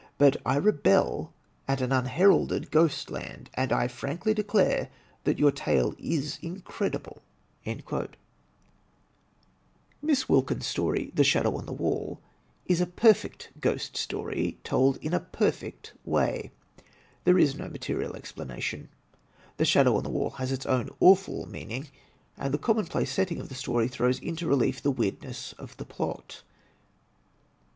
But I rebel at an imheralded ghostland, and declare frankly that your tale is incredible." 30 THE TECHNIQUE OF THE MYSTERY STORY Miss Wilkins' story, "The Shadow on the Wall," is a per fect Ghost Story, told in a perfect way. There is no material explanation, the shadow on the wall has its own awful mean ing, and the commonplace setting of the story throws into relief the weirdness of the plot.